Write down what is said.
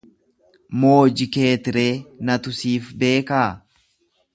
Mooji keetiree natu siif beekaa?